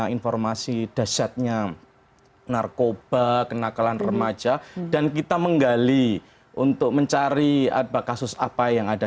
informasi dasyatnya narkoba kenakalan remaja dan kita menggali untuk mencari kasus apa yang ada